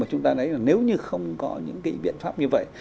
chúng ta thấy là nếu như không có những cái biện pháp như vậy